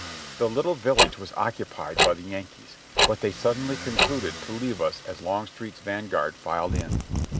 The little village was occupied by the Yankees, but they suddenly concluded to leave as Longstreet's van guard filed in.